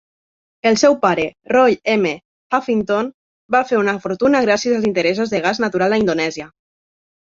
El seu pare, Roy M. Huffington, va fer una fortuna gràcies als interessos de gas natural a Indonèsia.